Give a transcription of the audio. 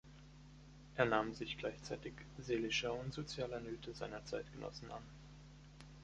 Er nahm sich gleichzeitig seelischer und sozialer Nöte seiner Zeitgenossen an.